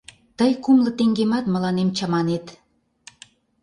Тый кумло теҥгемат мыланем чаманет...